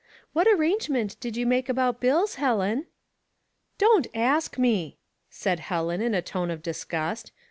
"What ar rangement did you make about bills, Helen ?"" Don't ask me! " said Helen, in a tone of dis gust.